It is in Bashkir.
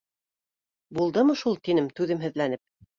— Булдымы шул? — тинем, түҙемһеҙләнеп.